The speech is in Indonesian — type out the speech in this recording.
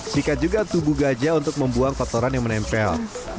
sikat juga tubuh gajah untuk membuang kotoran yang menempel